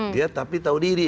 dia tapi tahu diri